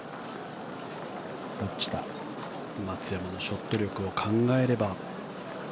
松山のショット力を考えれば。